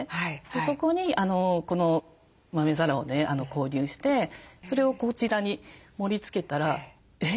そこにこの豆皿をね購入してそれをこちらに盛りつけたらえっ？